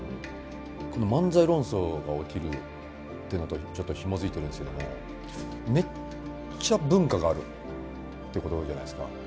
この漫才論争が起きるっていうのとちょっとひも付いてるんですけどもめっちゃ文化があるってことじゃないですか。